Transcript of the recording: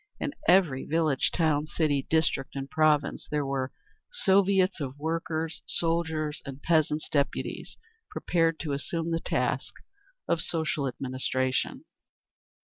In every village, town, city, district and province there were Soviets of Workers', Soldiers' and Peasants' Deputies, prepared to assume the task of local administration.